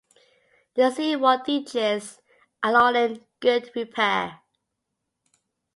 The seaward ditches are all in good repair.